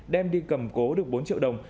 đem đi cầm cố được bốn triệu đồng